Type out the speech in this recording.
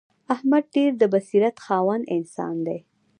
احمد ډېر د بصیرت خاوند انسان دی.